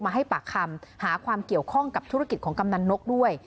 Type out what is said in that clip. ให้ปากคำหาความเกี่ยวข้องกับธุรกิจของกำนันนกด้วย